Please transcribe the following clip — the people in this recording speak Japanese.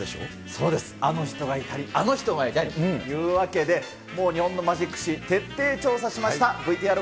そうです、あの人がいたり、あの人がいたりというわけで日本のマジック史、徹底調査しました。